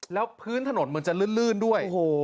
แล้วพื้นถนนหลื่นด้วย